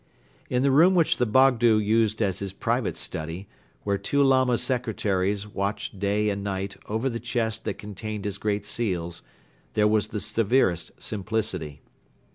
In the room which the Bogdo used as his private study, where two Lama secretaries watched day and night over the chest that contained his great seals, there was the severest simplicity.